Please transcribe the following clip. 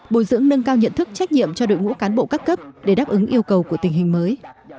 bồi dưỡng nâng cao nhận thức trách nhiệm cho đội ngũ cán bộ các cấp để đáp ứng yêu cầu của tình hình mới